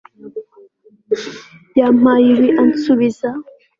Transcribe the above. Yampaye ibi ansubiza